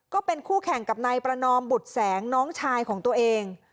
ก็เป็นคู่แข่งกับนายประนอมบุตรแสงน้องชายของตัวเอง